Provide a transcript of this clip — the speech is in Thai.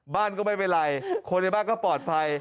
บ้านก็ไม่เป็นไรคนในบ้านก็ปลอดภัย